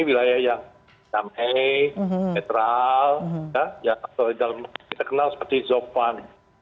wilayah yang damai netral yang terkenal seperti zofan